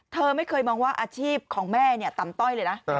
เธอไม่เคยมองว่าอาชีพของแม่เนี่ยต่ำต้อยเลยนะ